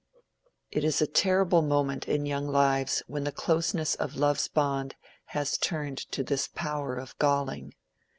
It is a terrible moment in young lives when the closeness of love's bond has turned to this power of galling.